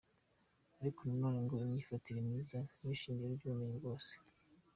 Ariko nanone ngo imyifatire myiza niyo shingiro ry’ubumenyi bwose.